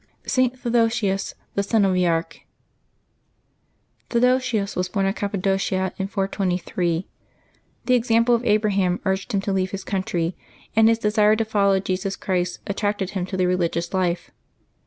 January ii.—ST. THEODOSIUS, THE CENOBI ARCH. CHEODOsius was born in Cappadocia in 423. The ex ample of Abraham urged him to leave his country, and his desire to follow Jesus Christ attracted him to the religious life.